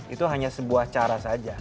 itu hanya sebuah cara saja